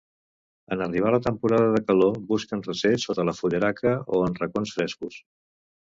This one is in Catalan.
En arribar la temporada de calor busquen recer sota la fullaraca o en racons frescos.